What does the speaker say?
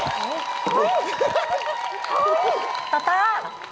อยู่ที่๐๕๖๗๐หรือ๕๒๗๐บาท